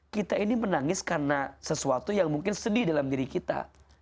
kita ini menangis karena sesuatu yang mungkin sedih dalam diri kita